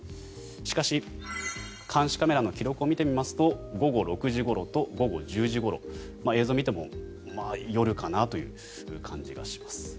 しかし、監視カメラの記録を見てみますと午後６時ごろと午後１０時ごろ映像を見ても夜かなという感じがします。